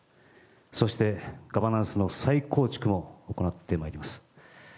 そして、ガバナンスの再構築を行ってまいります。